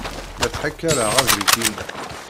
La ttḥakaṛeɣ abṛik-inna.